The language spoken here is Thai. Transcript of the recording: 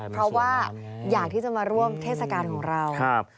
เพราะว่าอยากที่จะมาร่วมเทศกาลของเรา